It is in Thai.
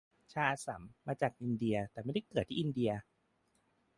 ชาอัสสัม มาจากอินเดีย แต่ไม่ได้เกิดที่อินเดีย